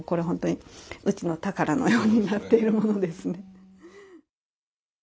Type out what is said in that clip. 本当にうちの宝のようになっているものですね。